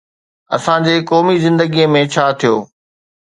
اسان جي قومي زندگيءَ ۾ ڇا ٿيو؟